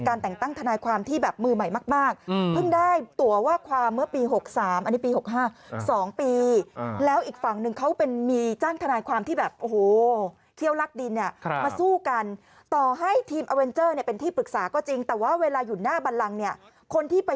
คนนี้แม่น่าจะโกรธกว่าผมนะ